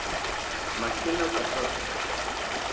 Машьынак аҿы…